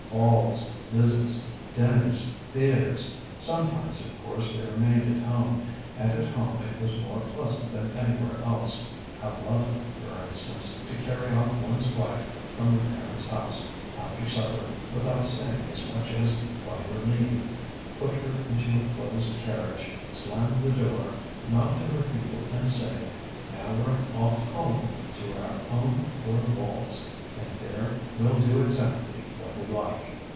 Balls, visits, dinners, theatres. Sometimes, of course, they remained at home. And at home it was more pleasant than anywhere else. How lovely, for instance, to carry off oneŌĆÖs wife from her parentsŌĆÖ house, after supper, without saying as much as ŌĆ£by your leave, ŌĆØ put her into a closed carriage, slam the door, nod to her people and say: ŌĆ£Now weŌĆÖre off home, to our own four walls! And there weŌĆÖll do exactly what we like!